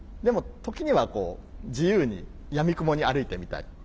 でも時にはこう自由にやみくもに歩いてみたい。